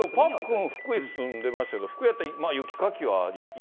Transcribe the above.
パックン、福井住んでましたけど、福井だったら雪かきは１、